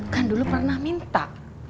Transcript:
kan dulu pernah minta